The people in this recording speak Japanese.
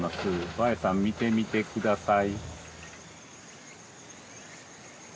ヴァエさん見てみてください